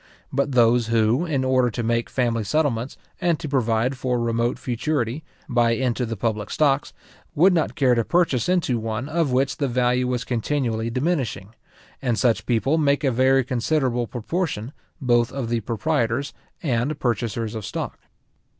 But those who, in order to make family settlements, and to provide for remote futurity, buy into the public stocks, would not care to purchase into one of which the value was continually diminishing; and such people make a very considerable proportion, both of the proprietors and purchasers of stock.